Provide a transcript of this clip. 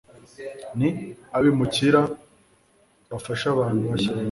n abimukira bafasha abantu bashya